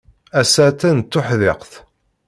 Ass-a, attan d tuḥdiqt.